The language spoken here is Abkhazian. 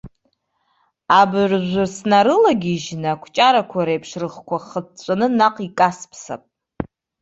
Абыржә снарылагьежьны, акәҷарақәа реиԥш рыхқәа хыҵәҵәаны наҟ икасԥсап!